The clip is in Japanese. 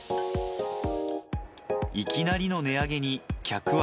いきなりの値上げに客は。